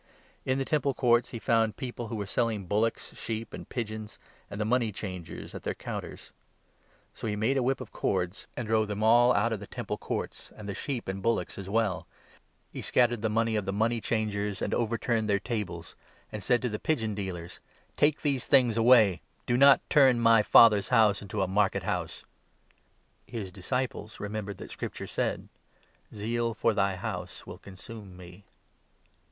In the Temple Courts he 14 j«ruMi«m. found people who were selling bullocks, sheep, and pigeons, and the money changers at their counters. So 15 he made a whip of cords, and drove them all out of the Temple <• Ps. a. 6. « Gen. aS. la ; Dan. 7. 13. JOHN, 2—3. 169 Courts, and the sheep and bullocks as well ; he scattered the money of the money changers, and overturned their tables, and said to the pigeon dealers : 16 " Take these things away. Do not turn my Father's House into a market house." His disciples remembered that Scripture said — 17 ' Zeal for thy House will consume me.'